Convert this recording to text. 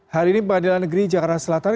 hari ini pemadilan negeri cakarang selatan